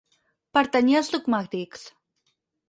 Pertanyia als dogmàtics.